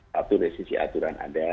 satu dari sisi aturan ada